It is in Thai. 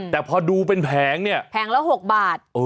แต่พอดูเป็นแผงเนี่ยแผงละ๖บาท